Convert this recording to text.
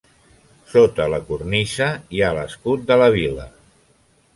Sota la cornisa hi ha l'escut de la vila.